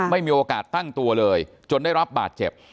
ไม่มีโอกาสตั้งตัวเลยจนได้รับบาดเจ็บ